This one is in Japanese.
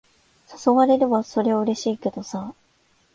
誘われれば、そりゃうれしいけどさ。